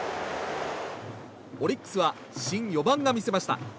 オリックスは新４番が見せました。